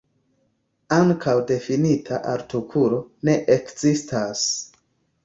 Ankaŭ difinita artikolo ne ekzistas.